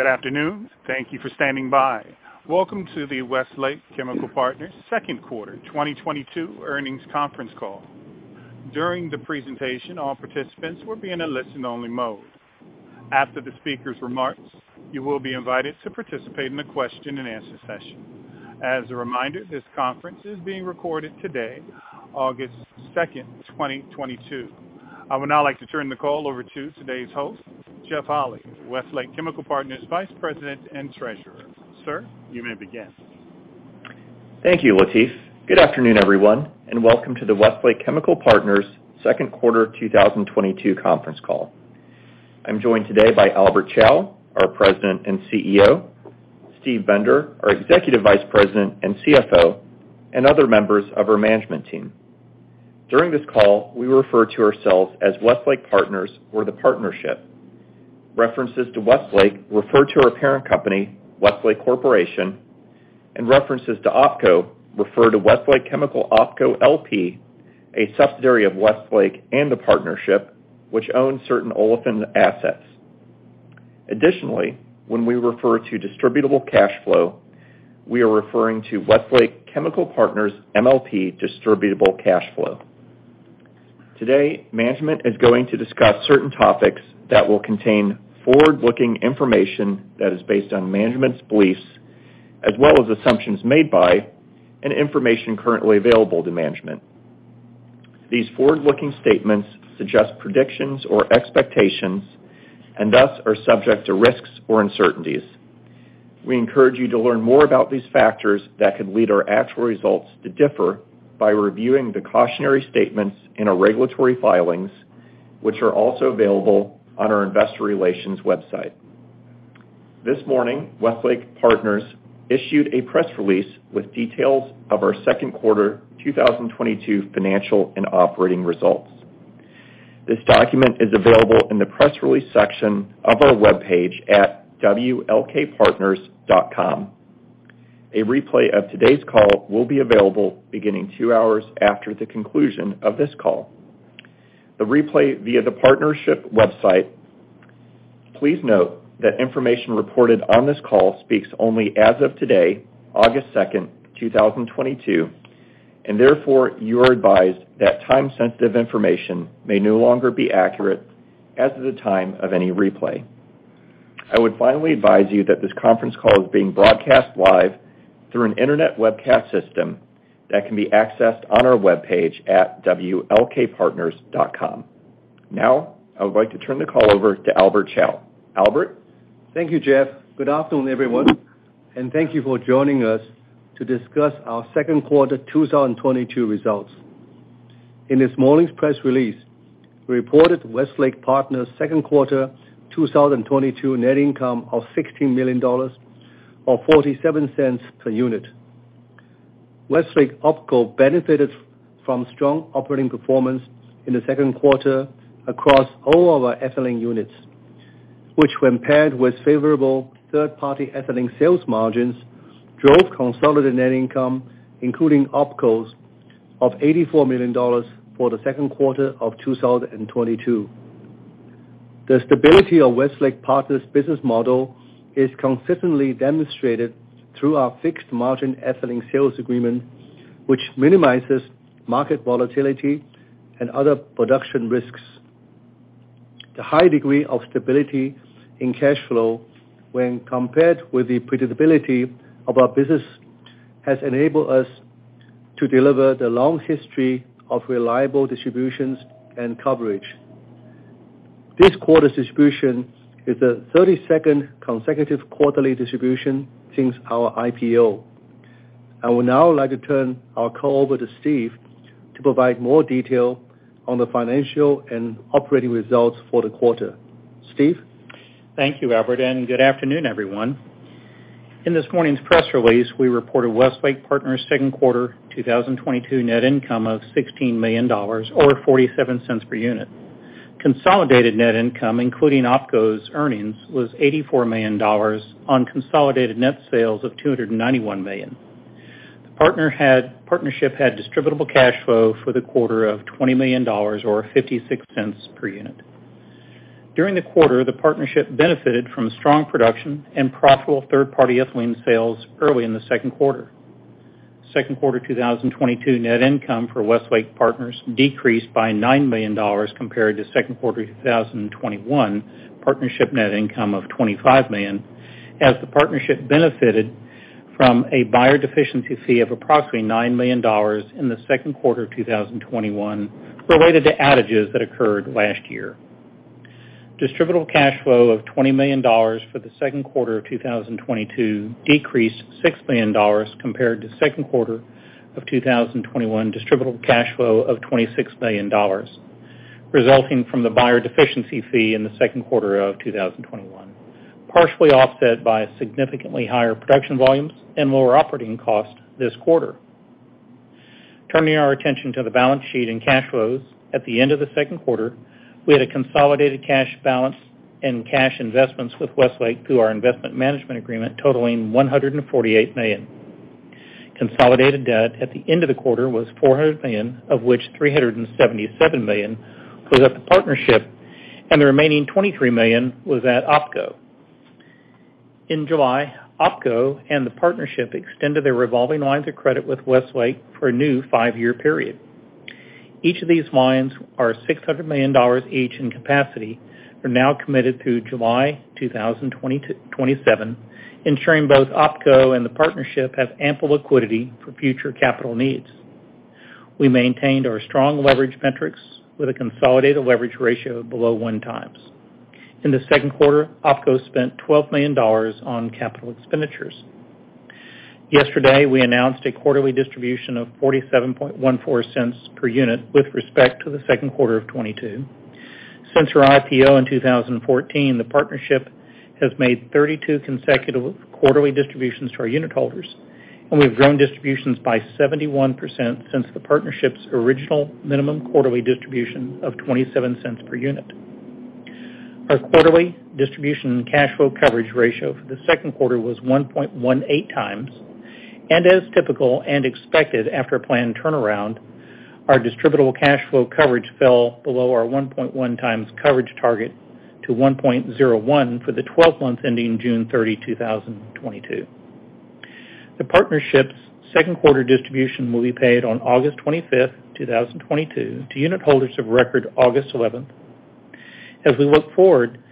Good afternoon. Thank you for standing by. Welcome to the Westlake Chemical Partners second quarter 2022 earnings conference call. During the presentation, all participants will be in a listen only mode. After the speaker's remarks, you will be invited to participate in a question-and-answer session. As a reminder, this conference is being recorded today, August 2nd, 2022. I would now like to turn the call over to today's host, Jeff Holy, Westlake Chemical Partners Vice President and Treasurer. Sir, you may begin. Thank you, Latif. Good afternoon, everyone, and welcome to the Westlake Chemical Partners second quarter 2022 conference call. I'm joined today by Albert Chao, our President and CEO, Steve Bender, our Executive Vice President and CFO, and other members of our management team. During this call, we refer to ourselves as Westlake Partners or the Partnership. References to Westlake refer to our parent company, Westlake Corporation, and references to OpCo refer to Westlake Chemical OpCo LP, a subsidiary of Westlake and the Partnership which owns certain olefin assets. Additionally, when we refer to distributable cash flow, we are referring to Westlake Chemical Partners MLP distributable cash flow. Today, management is going to discuss certain topics that will contain forward-looking information that is based on management's beliefs as well as assumptions made by and information currently available to management. These forward-looking statements suggest predictions or expectations and thus are subject to risks or uncertainties. We encourage you to learn more about these factors that could lead our actual results to differ by reviewing the cautionary statements in our regulatory filings, which are also available on our investor relations website. This morning, Westlake Partners issued a press release with details of our second quarter 2022 financial and operating results. This document is available in the press release section of our webpage at wlkpartners.com. A replay of today's call will be available beginning two hours after the conclusion of this call. The replay via the Partnership website. Please note that information reported on this call speaks only as of today, August 2nd, 2022, and therefore you are advised that time-sensitive information may no longer be accurate as to the time of any replay. I would finally advise you that this conference call is being broadcast live through an internet webcast system that can be accessed on our webpage at wlkpartners.com. Now, I would like to turn the call over to Albert Chao. Albert. Thank you, Jeff. Good afternoon, everyone, and thank you for joining us to discuss our second quarter 2022 results. In this morning's press release, we reported Westlake Partners second quarter 2022 net income of $16 million or $0.47 per unit. Westlake OpCo benefited from strong operating performance in the second quarter across all of our ethylene units, which when paired with favorable third-party ethylene sales margins, drove consolidated net income, including OpCo's, of $84 million for the second quarter of 2022. The stability of Westlake Partners business model is consistently demonstrated through our fixed margin ethylene sales agreement, which minimizes market volatility and other production risks. The high degree of stability in cash flow when compared with the predictability of our business has enabled us to deliver the long history of reliable distributions and coverage. This quarter's distribution is the thirty-second consecutive quarterly distribution since our IPO. I would now like to turn our call over to Steve to provide more detail on the financial and operating results for the quarter. Steve. Thank you, Albert, and good afternoon, everyone. In this morning's press release, we reported Westlake Partners second quarter 2022 net income of $16 million or $0.47 per unit. Consolidated net income, including OpCo's earnings, was $84 million on consolidated net sales of $291 million. Partnership had distributable cash flow for the quarter of $20 million or $0.56 per unit. During the quarter, the Partnership benefited from strong production and profitable third-party ethylene sales early in the second quarter. Second quarter 2022 net income for Westlake Partners decreased by $9 million compared to second quarter 2021 partnership net income of $25 million as the Partnership benefited from a buyer deficiency fee of approximately $9 million in the second quarter of 2021 related to outages that occurred last year. Distributable cash flow of $20 million for the second quarter of 2022 decreased $6 million compared to second quarter of 2021 distributable cash flow of $26 million, resulting from the buyer deficiency fee in the second quarter of 2021, partially offset by significantly higher production volumes and lower operating costs this quarter. Turning our attention to the balance sheet and cash flows, at the end of the second quarter, we had a consolidated cash balance and cash investments with Westlake through our investment management agreement totaling $148 million. Consolidated debt at the end of the quarter was $400 million, of which $377 million was at the partnership, and the remaining $23 million was at OpCo. In July, OpCo and the partnership extended their revolving lines of credit with Westlake for a new five-year period. Each of these lines are $600 million each in capacity, are now committed through July 2027, ensuring both OpCo and the partnership have ample liquidity for future capital needs. We maintained our strong leverage metrics with a consolidated leverage ratio below 1x. In the second quarter, OpCo spent $12 million on capital expenditures. Yesterday, we announced a quarterly distribution of $0.4714 per unit with respect to the second quarter of 2022. Since our IPO in 2014, the partnership has made 32 consecutive quarterly distributions to our unit holders, and we've grown distributions by 71% since the partnership's original minimum quarterly distribution of $0.27 per unit. Our quarterly distribution cash flow coverage ratio for the second quarter was 1.18x. As typical and expected after a planned turnaround, our distributable cash flow coverage fell below our 1.1x coverage target to 1.01 for the 12 months ending June 30, 2022. The partnership's second quarter distribution will be paid on August 25th, 2022 to unitholders of record August 11th. As we look forward,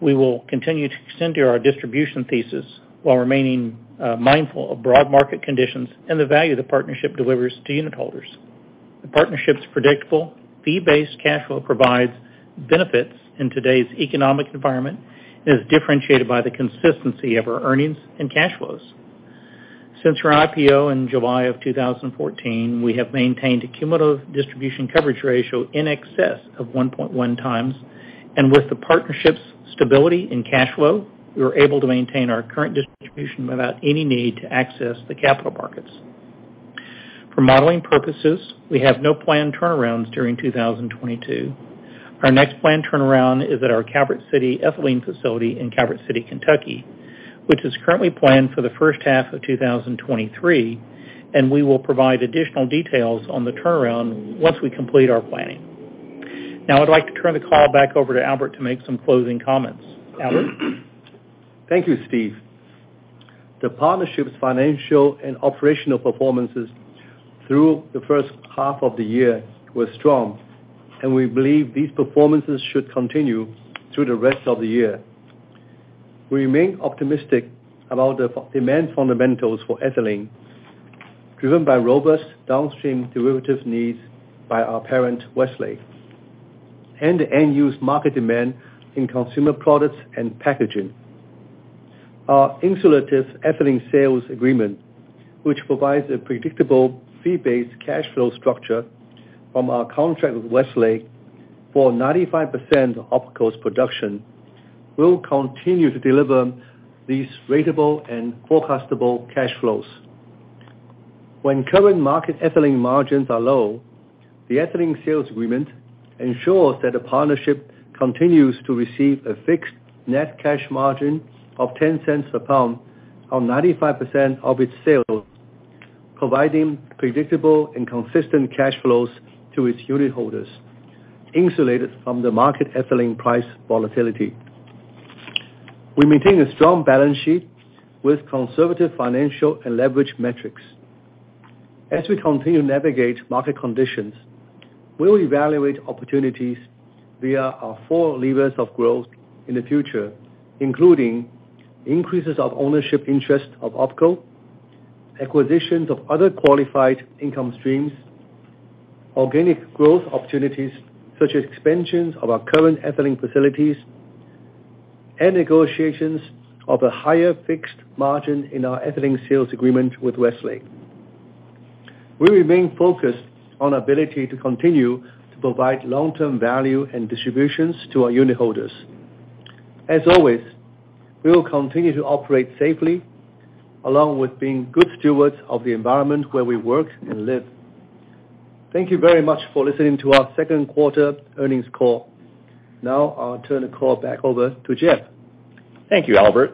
we will continue to adhere to our distribution thesis while remaining mindful of broad market conditions and the value the partnership delivers to unitholders. The partnership's predictable, fee-based cash flow provides benefits in today's economic environment and is differentiated by the consistency of our earnings and cash flows. Since our IPO in July 2014, we have maintained a cumulative distribution coverage ratio in excess of 1.1x. With the partnership's stability and cash flow, we were able to maintain our current distribution without any need to access the capital markets. For modeling purposes, we have no planned turnarounds during 2022. Our next planned turnaround is at our Calvert City ethylene facility in Calvert City, Kentucky, which is currently planned for the first half of 2023, and we will provide additional details on the turnaround once we complete our planning. Now, I'd like to turn the call back over to Albert to make some closing comments. Albert? Thank you, Steve. The partnership's financial and operational performances through the first half of the year were strong, and we believe these performances should continue through the rest of the year. We remain optimistic about the demand fundamentals for ethylene, driven by robust downstream derivative needs by our parent, Westlake, and the end-use market demand in consumer products and packaging. Our insulated ethylene sales agreement, which provides a predictable fee-based cash flow structure from our contract with Westlake for 95% of OpCo's production, will continue to deliver these ratable and forecastable cash flows. When current market ethylene margins are low, the ethylene sales agreement ensures that the partnership continues to receive a fixed net cash margin of $0.10 a pound on 95% of its sales, providing predictable and consistent cash flows to its unitholders, insulated from the market ethylene price volatility. We maintain a strong balance sheet with conservative financial and leverage metrics. As we continue to navigate market conditions, we'll evaluate opportunities via our four levers of growth in the future, including increases of ownership interest of OpCo, acquisitions of other qualified income streams, organic growth opportunities, such as expansions of our current ethylene facilities, and negotiations of a higher fixed margin in our ethylene sales agreement with Westlake. We remain focused on ability to continue to provide long-term value and distributions to our unitholders. As always, we will continue to operate safely, along with being good stewards of the environment where we work and live. Thank you very much for listening to our second quarter earnings call. Now I'll turn the call back over to Jeff. Thank you, Albert.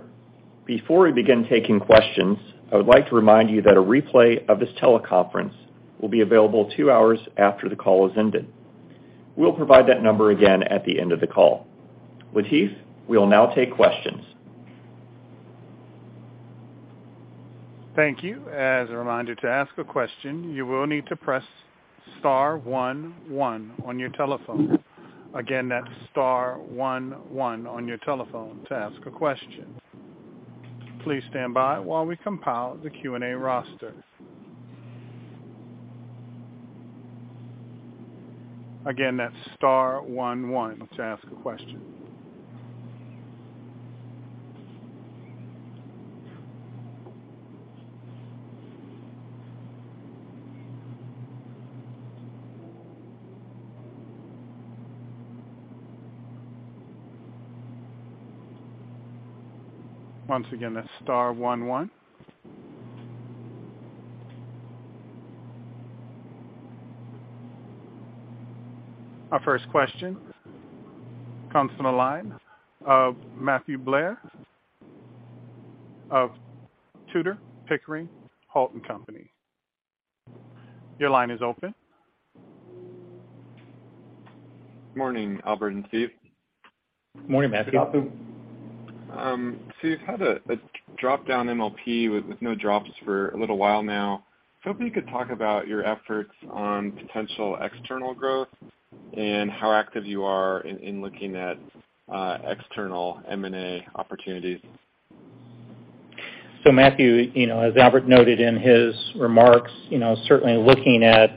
Before we begin taking questions, I would like to remind you that a replay of this teleconference will be available two hours after the call has ended. We'll provide that number again at the end of the call. Latif, we'll now take questions. Thank you. As a reminder, to ask a question, you will need to press star one one on your telephone. Again, that's star one one on your telephone to ask a question. Please stand by while we compile the Q&A roster. Again, that's star one one to ask a question. Once again, that's star one one. Our first question comes from the line of Matthew Blair of Tudor, Pickering, Holt & Company. Your line is open. Morning, Albert and Steve. Morning, Matthew. Good morning. Steve, you've had a drop-down MLP with no drops for a little while now. Was hoping you could talk about your efforts on potential external growth and how active you are in looking at external M&A opportunities. Matthew, you know, as Albert noted in his remarks, you know, certainly looking at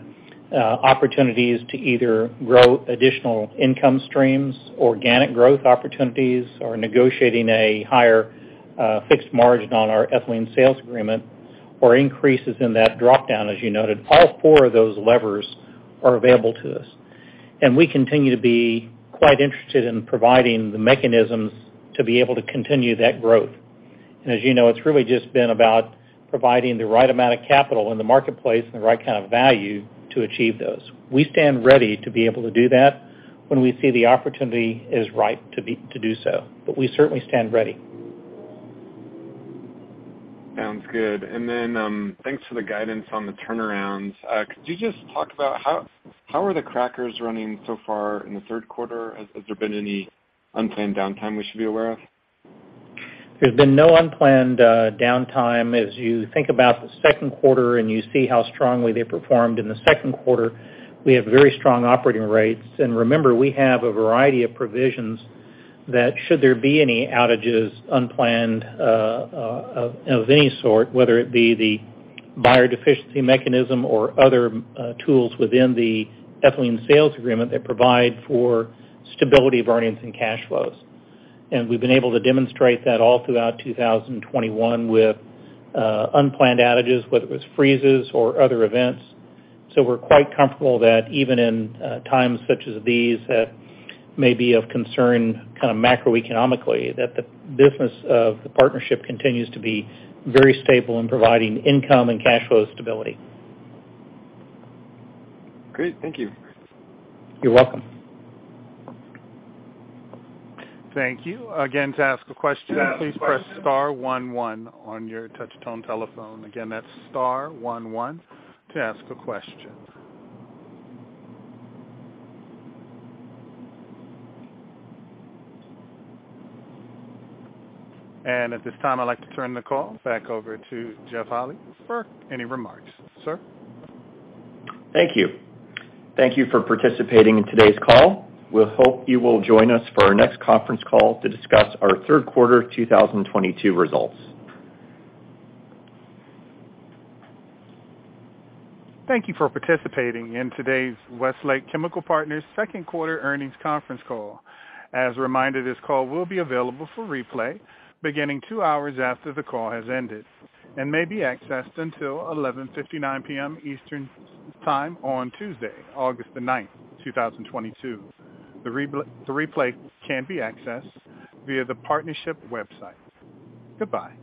opportunities to either grow additional income streams, organic growth opportunities or negotiating a higher fixed margin on our ethylene sales agreement or increases in that drop-down, as you noted, all four of those levers are available to us. We continue to be quite interested in providing the mechanisms to be able to continue that growth. As you know, it's really just been about providing the right amount of capital in the marketplace and the right kind of value to achieve those. We stand ready to be able to do that when we see the opportunity is right to do so. We certainly stand ready. Sounds good. Thanks for the guidance on the turnarounds. Could you just talk about how are the crackers running so far in the third quarter? Has there been any unplanned downtime we should be aware of? There's been no unplanned downtime. As you think about the second quarter and you see how strongly they performed in the second quarter, we have very strong operating rates. Remember, we have a variety of provisions that should there be any unplanned outages of any sort, whether it be the buyer deficiency mechanism or other tools within the ethylene sales agreement that provide for stability of earnings and cash flows. We've been able to demonstrate that all throughout 2021 with unplanned outages, whether it was freezes or other events. We're quite comfortable that even in times such as these that may be of concern kind of macroeconomically, that the business of the partnership continues to be very stable in providing income and cash flow stability. Great. Thank you. You're welcome. Thank you. Again, to ask a question, please press star one one on your touch-tone telephone. Again, that's star one one to ask a question. At this time, I'd like to turn the call back over to Jeff Holy for any remarks. Sir? Thank you. Thank you for participating in today's call. We hope you will join us for our next conference call to discuss our third quarter 2022 results. Thank you for participating in today's Westlake Chemical Partners second quarter earnings conference call. As a reminder, this call will be available for replay beginning two hours after the call has ended and may be accessed until 11:59 P.M. Eastern time on Tuesday, August 9th, 2022. The replay can be accessed via the partnership website. Goodbye.